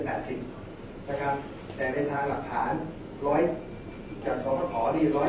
แต่ในทางหลักฐานจากสวรรค์พอรี่๑๗๐เห็น